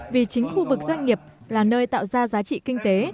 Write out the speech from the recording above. vì chính khu vực doanh nghiệp là nơi tạo ra giá trị kinh tế